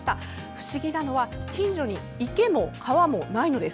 不思議なのは近所に池も川もないのです。